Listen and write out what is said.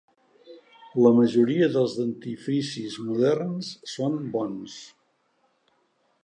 La majoria dels dentifricis moderns són bons.